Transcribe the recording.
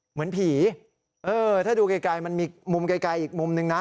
เหมือนผีเออถ้าดูไกลมันมีมุมไกลอีกมุมนึงนะ